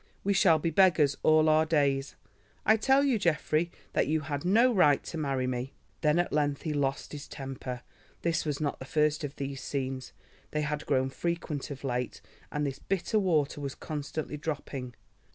We shall be beggars all our days. I tell you, Geoffrey, that you had no right to marry me." Then at length he lost his temper. This was not the first of these scenes—they had grown frequent of late, and this bitter water was constantly dropping.